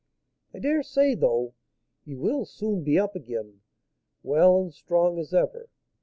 I dare say, though, he will soon be up again, well and strong as ever.